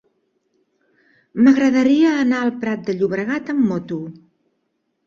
M'agradaria anar al Prat de Llobregat amb moto.